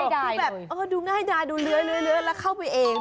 ดูแบบดูง่ายดายดูเลื้อยแล้วเข้าไปเอง